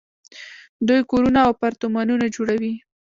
دوی کورونه او اپارتمانونه جوړوي.